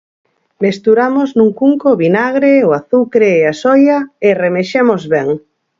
Mesturamos nun cunco o vinagre, o azucre e a soia e remexemos ben.